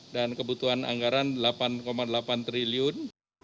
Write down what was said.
dan kebutuhan anggaran delapan delapan triliun